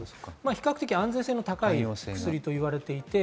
比較的安全性の高いお薬と言われています。